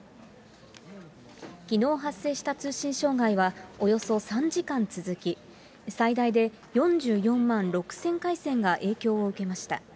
きのう発生した通信障害は、およそ３時間続き、最大で４４万６０００回線が影響を受けました。